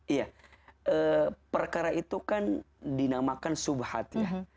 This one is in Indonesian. iya perkara itu kan dinamakan subhad ya